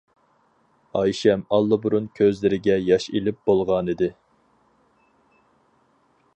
ئايشەم ئاللىبۇرۇن كۆزلىرىگە ياش ئېلىپ بولغانىدى.